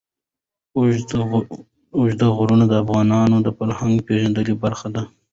اوږده غرونه د افغانانو د فرهنګي پیژندنې برخه ده.